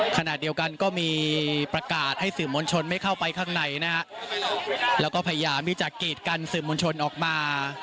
ขณะเดียวกันก็มีประกาศให้สื่อมวลชนไม่เข้าไปข้างในนะฮะแล้วก็พยายามที่จะกีดกันสื่อมวลชนออกมา